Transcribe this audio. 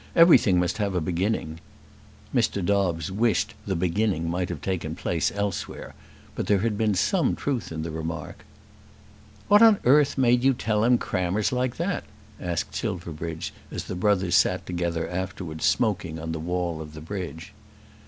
Everything must have a beginning." Mr. Dobbes wished "the beginning" might have taken place elsewhere; but there had been some truth in the remark. "What on earth made you tell him crammers like that?" asked Silverbridge, as the brothers sat together afterwards smoking on the wall of the bridge.